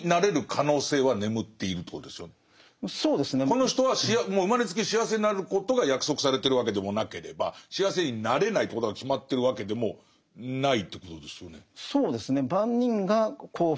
この人は生まれつき幸せになることが約束されてるわけでもなければ幸せになれないということが決まってるわけでもないということですよね。